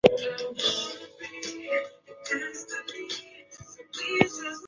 小宫站八高线的铁路车站。